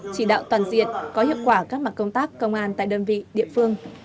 chỉ đạo toàn diện có hiệu quả các mặt công tác công an tại đơn vị địa phương